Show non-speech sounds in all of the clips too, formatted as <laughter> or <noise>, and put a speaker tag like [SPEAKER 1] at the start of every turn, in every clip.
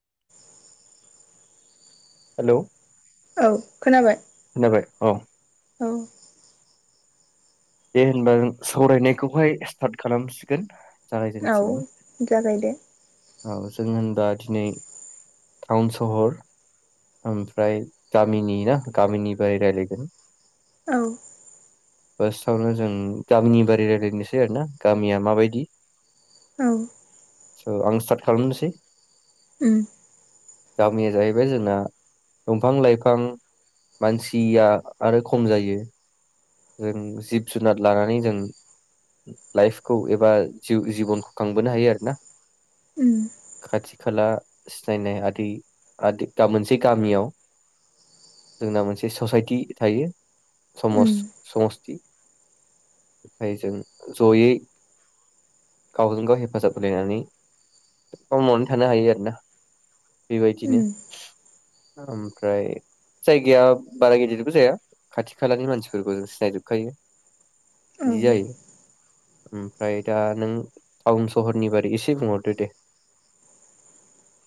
[SPEAKER 1] <inaudible>
[SPEAKER 2] Hello.
[SPEAKER 1] औ खोनाबाय।
[SPEAKER 2] खोनाबाय औ
[SPEAKER 1] औ।
[SPEAKER 2] दे होनबा सावरायनायखौहाय स्टार्ट खालामसिगोन।
[SPEAKER 1] औ
[SPEAKER 2] जागायजेनसिगोन
[SPEAKER 1] जागाय दे
[SPEAKER 2] औ जों दिनै टाउन सहर ओमफ्राय गामिनि ना गामिनि बोरै रायज्लायगोन।
[SPEAKER 1] औ।
[SPEAKER 2] बास। उम जों गामिनि बारै रायज्लायनोसै आरोना गामिया माबायदि।
[SPEAKER 1] औ।
[SPEAKER 2] स आं स्टार्ट खालामनोसै
[SPEAKER 1] उम।
[SPEAKER 2] गामिया जाहैबाय जोंना दंफां लायफां मानसिया आरो खम जायो। जों जिब जुनार लानानै जों लाइफखौ एबा जिउ जिबनखौ खांबोनो हायो आरोना
[SPEAKER 1] उम
[SPEAKER 2] खाथि खाला सिनायनाय आदै आद मोनसे गामियाव जोंना मोनसे ससाइटि थायो समाज
[SPEAKER 1] उम
[SPEAKER 2] <unintelligible> ओमफ्राय जों जयै गावजों गाव हेफाजाब होलायनानै <unintelligible> मावनानै थानो हायो आरोना बेबायदिनो।
[SPEAKER 1] उम
[SPEAKER 2] ओमफ्राय जायगाया बारा गिदिरबो जाया खाथि खालानि मानसि फोरबो सिनायजोबखायो।
[SPEAKER 1] औ
[SPEAKER 2] बिदि जायो। ओमफ्राय दा नों टाउन सहरनि बारै एसे बुंहरदो दे।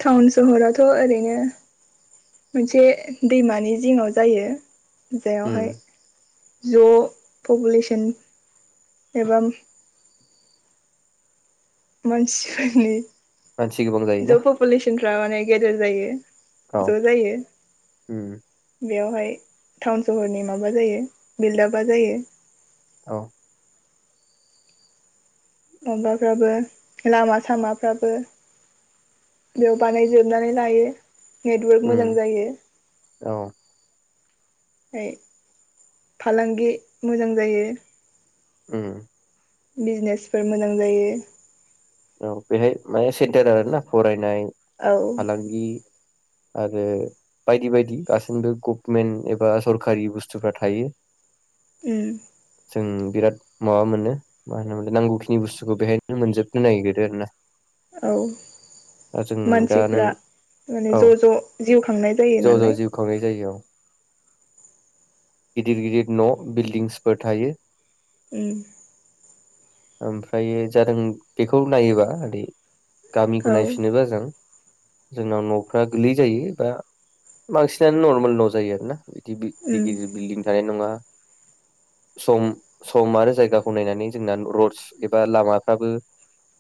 [SPEAKER 1] टाउन सहरावथ ओरैनो मोनसे दैमानि जिङाव जायो।
[SPEAKER 2] उम
[SPEAKER 1] जेरावहाय ज पपुलेसन एबा मानसिफोरनि
[SPEAKER 2] मानसि गोबां जायोना
[SPEAKER 1] ज पपुलेसनफ्रा माने गेदेर जायो
[SPEAKER 2] औ
[SPEAKER 1] ज जायो।
[SPEAKER 2] उम
[SPEAKER 1] बेवहाय टाउन सहरनि माबा जायो बिलबा जायो।
[SPEAKER 2] औ।
[SPEAKER 1] माबाफ्राबो लामा सामाफ्राबो बेयाव बानाय जोबनानै लायो। नेटवार्क
[SPEAKER 2] उम
[SPEAKER 1] मोजां जायो।
[SPEAKER 2] औ
[SPEAKER 1] <unintelligible> फालांगि मोजां जायो।
[SPEAKER 2] उम।
[SPEAKER 1] बिजनेसफोर मोजां जायो।
[SPEAKER 2] औ बेहाय माने सेन्टार आरोना फरायनाय
[SPEAKER 1] औ
[SPEAKER 2] फालांगि आरो बायदि बायदि गासैबो गभमेन्ट एबा सरखारि बुस्थुफ्रा थायो।
[SPEAKER 1] उम।
[SPEAKER 2] जों बिराद माबा मोनो मा होनो नांगौखिनि बुस्थुखौ बेहायनो मोनजोब नागिरो आरोना।
[SPEAKER 1] औ
[SPEAKER 2] दा जों दा नों
[SPEAKER 1] मानसिफ्रा माने
[SPEAKER 2] औ
[SPEAKER 1] ज ज जिउ खांनाय जायो
[SPEAKER 2] ज' ज'
[SPEAKER 1] नालाय।
[SPEAKER 2] जिउ खांनाय जायो औ गिदिर गिदिर न' बिल्डिंसफोर थायो।
[SPEAKER 1] उम।
[SPEAKER 2] ओमफ्राय जादों बेखौ नायोबा आदै गामिखौ
[SPEAKER 1] औ
[SPEAKER 2] नायफिनोबा जों जोंनाव नफ्रा गोलै जायो बा बांसिनानो नरमेल न' जायो आरोना। बिदि दिर
[SPEAKER 1] उम
[SPEAKER 2] गिदिर बिल्डिं थानाय नङा। सम सम आरो जायगाखौ नायनानै जोंना रडस एबा लामाफ्राबो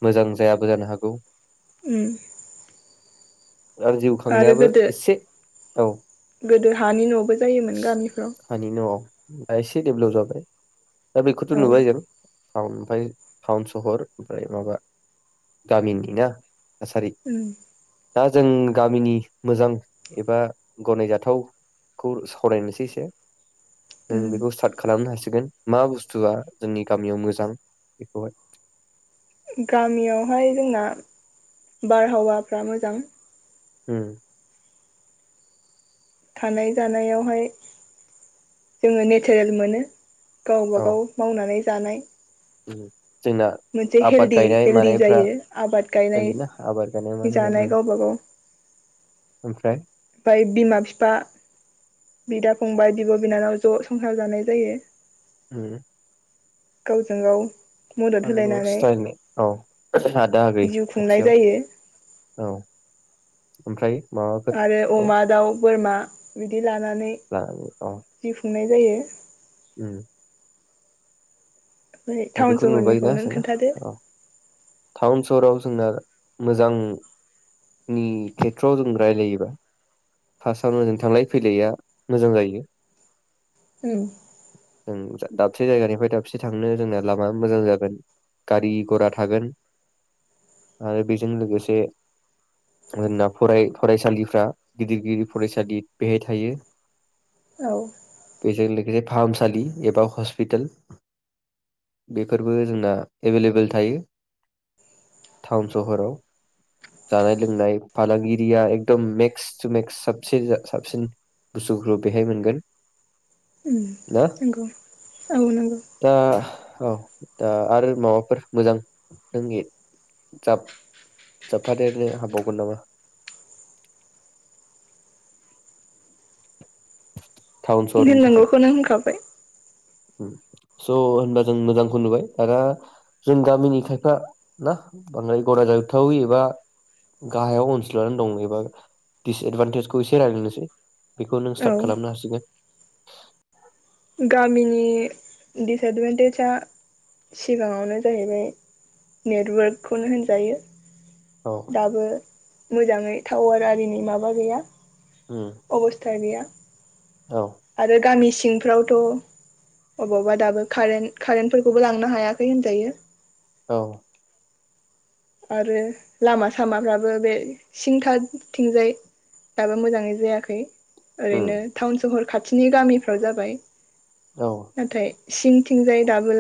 [SPEAKER 2] मोजां जायाबो जानो हागौ।
[SPEAKER 1] उम।
[SPEAKER 2] आरो जिउ
[SPEAKER 1] आरो
[SPEAKER 2] खांनायाबो
[SPEAKER 1] गोदो
[SPEAKER 2] एसे औ।
[SPEAKER 1] गोदो हानि नबो जायोमोन गामिफ्राव।
[SPEAKER 2] हानि न'आव दा इसे डेबलाब जाबाय। दा बेखौथ
[SPEAKER 1] औ
[SPEAKER 2] नुबाय जों उन ओमफ्राय टाउन सहर ओमफ्राय माबा गामिनि ना थासारि
[SPEAKER 1] ओम
[SPEAKER 2] दा जों गामिनि मोजां एबा गनायजाथावखौ सावरायनोसै एसे नों
[SPEAKER 1] उम
[SPEAKER 2] बेखौ स्टार्ट खालामनो हासिगोन मिसिगोन मा बुस्थुआ जोंनि गामियाव मोजां बेखौहाय
[SPEAKER 1] गामियावहाय जोंना बारहावाफ्रा मोजां
[SPEAKER 2] होम
[SPEAKER 1] थानाय जानायावहाय जोङो नेचारेल मोनो। गावबा गाव मावनानै जानाय
[SPEAKER 2] ओ
[SPEAKER 1] मोनसे हेलदि हेल्दि जायो आबाद
[SPEAKER 2] सोलियोना आबाद
[SPEAKER 1] गायनाय
[SPEAKER 2] मानाय
[SPEAKER 1] जानाय गावबा गाव ओमफ्राय बिमा बिफा बिदा फंबाय बिब बिनानाव ज संसार जानाय जायो
[SPEAKER 2] होम
[SPEAKER 1] गावजों गाव मदद
[SPEAKER 2] आगुराव
[SPEAKER 1] होलायनानै
[SPEAKER 2] स्टाइलनाय औ आदा आगै
[SPEAKER 1] जिउ खुंनाय जायो
[SPEAKER 2] खाथियाव औ ओमफ्राय
[SPEAKER 1] आरो
[SPEAKER 2] माबाफोरखौ
[SPEAKER 1] अमा दाउ बोरमा बिदि लानानै जायो
[SPEAKER 2] उ
[SPEAKER 1] ओमफ्राय टाउन
[SPEAKER 2] बेखौ
[SPEAKER 1] सहरनिखौ
[SPEAKER 2] नुबायना
[SPEAKER 1] नों
[SPEAKER 2] जोंना
[SPEAKER 1] खोन्थादो
[SPEAKER 2] औ टाउन सहराव जोंना मोजांनि खेथ्रआव जों रायलायोबा फार्स्टआवनो जों थांलाय फैलायआ मोजां जायो
[SPEAKER 1] उ
[SPEAKER 2] जों दाबसे जायगानिफ्राय दाबसे थांनो जोंना लामा मोजां जागोन गारि घरा थागोन आरो बेजों लोगोसे जोंना फरायसालिफ्रा गिदिर गिदिर फरायसालि बेहाय थायो।
[SPEAKER 1] औ
[SPEAKER 2] बेजों लोगोसे फाहामसालि एबा हस्पिताल बेफोरबो जोंना एभेलेबेल थायो टाउन सहराव जानाय लोंनाय फालांगिरिया एकदम मेक्स टु मेक्स स साबसिन बुस्थुखौ बेहाय मोनगोन। ना
[SPEAKER 1] नंगौ औ नंगौ
[SPEAKER 2] दा औ दा आरो माबाफोर मोजां नोंनि जाब जाबफादेरनो हाबावगोन नामा? <inaudible>
[SPEAKER 1] होननांगौखौनो होनखाबाय ।
[SPEAKER 2] उम स' होनबा जों मोजांखौनो नुबाय दाना जों गामिनि खायफा ना बांद्राय गनायजाथावि एबा गाहायाव ओनसोलानानै दं एबा डिसएदभानटेजखौ एसे रायज्लायनोसै । बेखौ नों
[SPEAKER 1] औ
[SPEAKER 2] स्टार्ट खालामनो हासिगो ।
[SPEAKER 1] गामिनि डिसएदभान्टेज आ सिगाङावनो जाहैबाय नेटवर्कखौनो होनजायो
[SPEAKER 2] औ
[SPEAKER 1] । दाबो मोजाङै टावार आरिनि माबा गैया
[SPEAKER 2] उम
[SPEAKER 1] अबस्था गैया ।
[SPEAKER 2] औ
[SPEAKER 1] आरो गामि सिं सिंफ्रावथ अबावबा दाबो कारेन-कारेनफोरखौबो लांनो हायाखै होनजायो ।
[SPEAKER 2] औ
[SPEAKER 1] आरो लामा सामाफ्राबो बे सिंथाथिंजाय दाबो मोजाङै जायाखै ।
[SPEAKER 2] उम
[SPEAKER 1] ओरैनो टाउन सहर खाथिनि गामिफ्राव जाबाय ।
[SPEAKER 2] औ
[SPEAKER 1] नाथाय सिं थिंजाय दाबो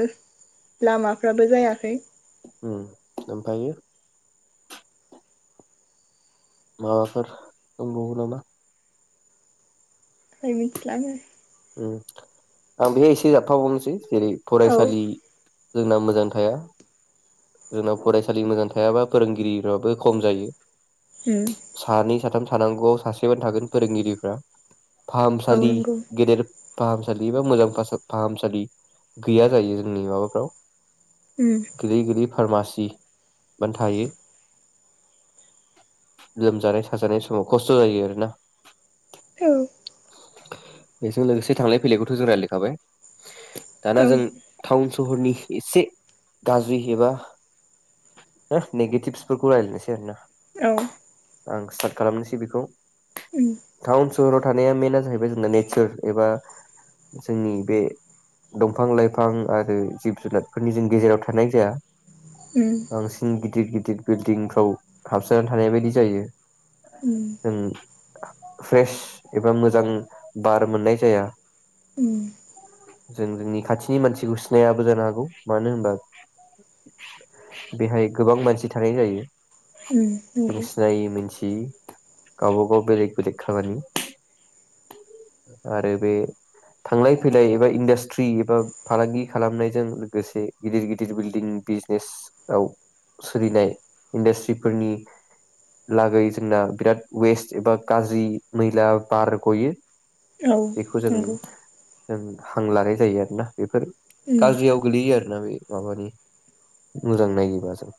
[SPEAKER 1] लामाफ्राबो जायाखै ।
[SPEAKER 2] उम ओमफ्रायो माबाफोर दंबावो नामा
[SPEAKER 1] धोइ मिथिला आङो ।
[SPEAKER 2] उम आं बेयाय एसे जाबफा बावनोसै जेरै
[SPEAKER 1] औ
[SPEAKER 2] फरायसालि जोंना मोजां थाया जोंना फरायसालि मोजां थायाबा फोरोंगिरिफ्राबो खम जायो ।
[SPEAKER 1] उम
[SPEAKER 2] सानै, साथाम थानांगौआव सासेल' थागोन फोरोंगिरिफ्रा ।
[SPEAKER 1] औ
[SPEAKER 2] फाहामसालि
[SPEAKER 1] नंगौ
[SPEAKER 2] गेदेर फाहामसालि <unintelligible> मोजां फासा- फाहामसालि गैया जायो जोंनि माबाफ्राव
[SPEAKER 1] उम
[SPEAKER 2] गिदिद गिदिद फारमासि <unintelligible> थायो लोमजानाय साजानाय समाव खस्थ जायो आरोना ।
[SPEAKER 1] औ
[SPEAKER 2] बेजों लोगोसे थांलाय फैलायखौ थ'जों रायलायखाबाय । दाना जों
[SPEAKER 1] औ
[SPEAKER 2] टाउन स हरनि इसे गाज्रि एबा नेगेटिबसफोरखौ रायज्लायनोसै आरो ना ।
[SPEAKER 1] औ
[SPEAKER 2] आं स्टार्ट खालामनोसै बेखौ ।
[SPEAKER 1] उम
[SPEAKER 2] सहराव थानाया मेेनआ जाहैबाय जोंना नेचार एबा जोंनि बे दंफां लाइफां आरो जिब जुनारफोरनि जों गेजेराव थानाय जाया
[SPEAKER 1] उम
[SPEAKER 2] बांसिन गिदिर-गिद दिद बिल्डिंफ्राव हाबसनानै थानाय बायदि जायो
[SPEAKER 1] उम
[SPEAKER 2] जों फ्रेस एबा मोजां बार मोननाय जाया
[SPEAKER 1] उम।
[SPEAKER 2] जों जोंनि खाथिनि मानसिखौ सिनायाबो जानो हागौ मानो होनबा बेहाय गोबां मानसि थानाय जायो
[SPEAKER 1] उम
[SPEAKER 2] ।
[SPEAKER 1] नंगौ
[SPEAKER 2] जों सिनायै मोनथि गावबा गाव बेलेग बेलेग खामानि आरो बे थांलाय फैलाय एबा इन्डास्ट्रि एबा फालांगि खालामनायजों लोगोसे गिदिर गिदिर बिल्डिं बिजनेसआव सोलिनाय इन्डास्ट्रिफोरनि लागै जोंना बिराद वेस्ट एबा गाज्रि मैला बार गयो ।
[SPEAKER 1] औ नंगौ ।
[SPEAKER 2] जों हां लानाय जायो आरो ना बेफोर
[SPEAKER 1] उम
[SPEAKER 2] गाज्रियाव गोलैयो आरोना बे माबादि मोजां नायोबा जों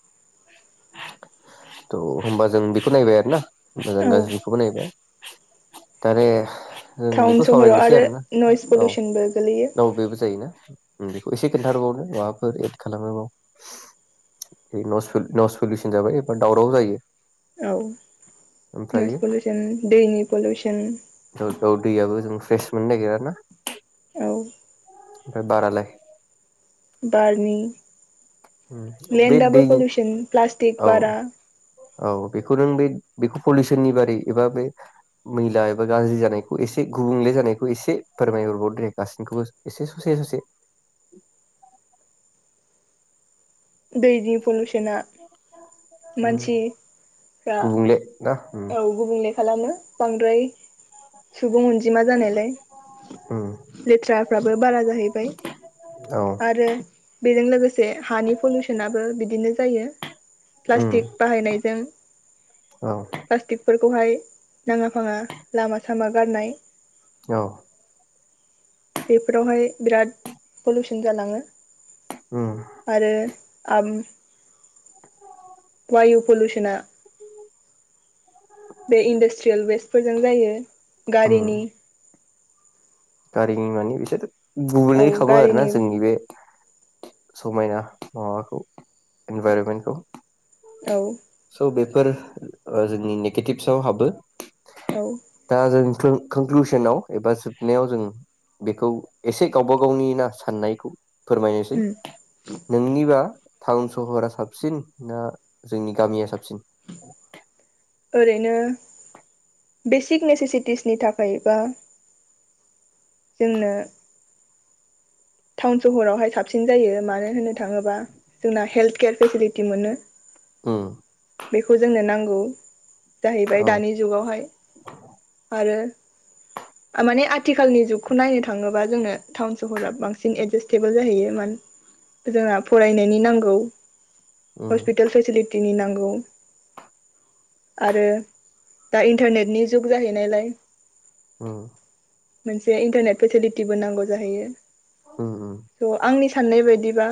[SPEAKER 2] त' होनबा जों बेखौ नायबाय आरो ना मोजां
[SPEAKER 1] औ
[SPEAKER 2] गाज्रिखौबो नायबाय <unintelligible> जों बेखौ सावरायनोसै आरो ना
[SPEAKER 1] नइस पलिसनबो गोलैयो ।
[SPEAKER 2] जायोना बेखौ एसे खिन्थोबावनो माबाफोर एद खालामोबाव नइस पलिसन जाबाय एबा दावराव जायो ।
[SPEAKER 1] औ नइस पलिउसन दैनि पलिउसन
[SPEAKER 2] दाव दैयाबो जों फ्रेस मोननो नागिरा ना ।
[SPEAKER 1] औ
[SPEAKER 2] ओ बारालाय?
[SPEAKER 1] बारनि
[SPEAKER 2] बे
[SPEAKER 1] लेन्डआबो
[SPEAKER 2] दैनि
[SPEAKER 1] पलिउसन प्लास्टिक
[SPEAKER 2] औ
[SPEAKER 1] बारा
[SPEAKER 2] औ बेखौ नों बे बेखौ पलिउसननि बादै एबा बे मैला एबा गाज्रि जानायखौ एसे गुबुंले जानायखौ एसे फोरमायहरबाव दे गासैनिखौबो एसे ससे ससे ।
[SPEAKER 1] दैनि पलुसनआ
[SPEAKER 2] उम
[SPEAKER 1] मानसिफ्रा
[SPEAKER 2] गुबुंले ना उम
[SPEAKER 1] औ गुबुंले खालामो बांद्राय सुबुं अनजिमा जानायलाय
[SPEAKER 2] उम
[SPEAKER 1] लेथ्राफ्राबो बारा जाहैबाय
[SPEAKER 2] औ
[SPEAKER 1] आरो बेजों लोगोसे हानि पलिउसनाबो बिदिनो जायो
[SPEAKER 2] उम
[SPEAKER 1] प्लास्टिक बाहायनायजों
[SPEAKER 2] औ
[SPEAKER 1] बेफोरखौहाय नाङा फाङा लामा सामा गारनाय
[SPEAKER 2] औ ।
[SPEAKER 1] बेफोरावहाय बिराद पलुसन जालाङो ।
[SPEAKER 2] उम
[SPEAKER 1] आरो आम बायु पलुसुना बे इन्दासट्रियेल वेस्टफोरजों जायो
[SPEAKER 2] उम
[SPEAKER 1] गारिनि
[SPEAKER 2] गारिनि माने बिसोर
[SPEAKER 1] औ
[SPEAKER 2] गुबुंले खामो आरोना
[SPEAKER 1] गारिनि
[SPEAKER 2] जोंनि बे समायना माबाखौ इनभाइरनमेन्टखौ
[SPEAKER 1] औ
[SPEAKER 2] स बेफोर ओ जोंनि नेगेटिभसआव हाबो।
[SPEAKER 1] औ
[SPEAKER 2] क्लन कनक्लुसुनाव एबा जोबनायाव जों बेखौ एसे गावबा गावनि ना साननायखौ फोरमायनोसै नोंनिबा टाउन सहरा साबसिन ना जोंनि गामिया साबसिन?
[SPEAKER 1] ओरैनो बेसिक नेसेसिटिसनि थाखायबा जोंनो टाउन सहरावहाय साबसिन जायो मानो होनो थाङोबा जोंना हेल्थ केयार फेसिलिटि मोनो।
[SPEAKER 2] उम
[SPEAKER 1] बेखौ जोंनो नांगौ। जाहैबाय
[SPEAKER 2] औ
[SPEAKER 1] दानि जुगावहाय आरो ओ माने आथिखालनि जुगखौ नायनो थाङोबा जोंनो टाउन सहरा बांस सिन एडजेसटेबोल जाहैय मानो जोंहा फरायनायनि नांगौ
[SPEAKER 2] उम
[SPEAKER 1] हस्पिटेल फेसिलिटिनि नांगौ आरो दा इन्टारनेटनि जुग जाहैनायलाय।
[SPEAKER 2] उम
[SPEAKER 1] मोनसे इन्टारनेट फेसेलिटिबो नांगौ जाहैयो।
[SPEAKER 2] उम उम
[SPEAKER 1] स आंनि साननाय बायदिबा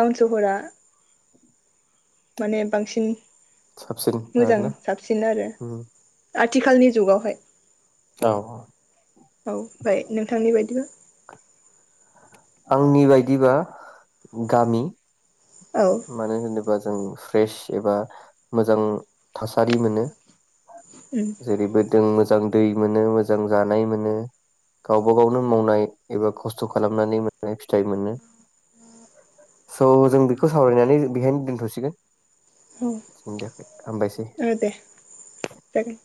[SPEAKER 1] टाउन सहरा माने बांसिन
[SPEAKER 2] साबसिन
[SPEAKER 1] मोजां
[SPEAKER 2] आरोना
[SPEAKER 1] साबसिन आरो
[SPEAKER 2] उम
[SPEAKER 1] आथिखालनि जुगावहाय
[SPEAKER 2] औ
[SPEAKER 1] औ ओमफाय नोंथांनि बादिबा?
[SPEAKER 2] आंनि बायदिबा गामि
[SPEAKER 1] औ
[SPEAKER 2] मानो होनोबा जों बेस एबा मोजां थासारि मोनो।
[SPEAKER 1] उम
[SPEAKER 2] जेरैबो दों मोज मोजां दै मोनो मोजां जानाय मोनो गावबा गावनो मावनाय एबा खस्थ खालामनानै मोननाय फिथाइ मोनो स जों बिख खौ सावरायनानै जों बेहायनो दोन्थसिगोन।
[SPEAKER 1] औ ओ दे जागोन।